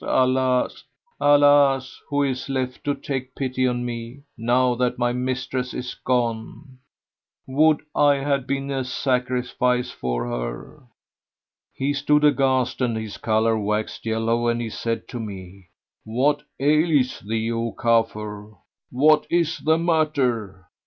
Alas! Alas! who is left to take pity on me, now that my mistress is gone? Would I had been a sacrifice for her!", he stood aghast and his colour waxed yellow and he said to me, "What aileth thee O Kafur! What is the matter?"